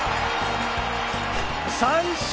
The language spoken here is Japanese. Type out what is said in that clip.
三振！